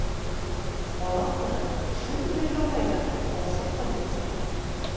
Ҡала ҡыҙы шундай ябай ҙа, алсаҡ та булып сыҡты.